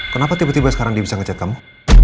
kenapa tiba tiba sekarang dia bisa ngecek kamu